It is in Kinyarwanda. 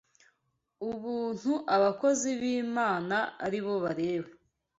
ubuntu abakozi b’Imana ari bo Balewi